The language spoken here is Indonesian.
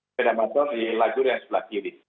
sepeda motor di lagur yang sebelah kiri